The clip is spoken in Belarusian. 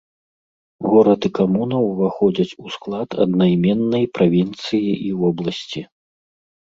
Горад і камуна ўваходзяць у склад аднайменнай правінцыі і вобласці.